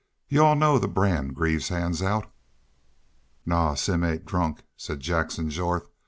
"You all know the brand Greaves hands out." "Naw, Simm ain't drunk," said Jackson Jorth.